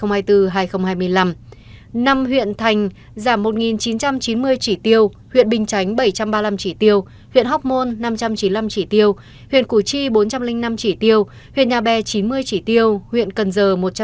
năm hai giảm một chín trăm chín mươi chỉ tiêu huyện bình chánh bảy trăm ba mươi năm chỉ tiêu huyện hóc môn năm trăm chín mươi năm chỉ tiêu huyện củ chi bốn trăm linh năm chỉ tiêu huyện nhà bè chín mươi chỉ tiêu huyện cần giờ một trăm linh